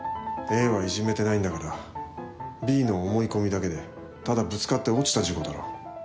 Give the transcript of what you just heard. ＡはいじめてないんだからＢの思い込みだけでただぶつかって落ちた事故だろ。